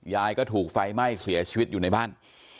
ยายก็ถูกไฟไหม้เสียชีวิตอยู่ในบ้าน